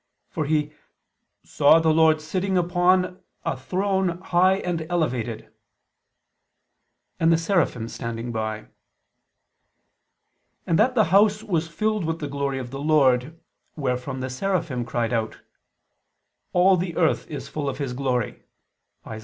For he "saw the Lord sitting upon a throne high and elevated"; and the seraphim standing by; and that the house was filled with the glory of the Lord; wherefrom the seraphim cried out: "All the earth is full of His glory" (Isa.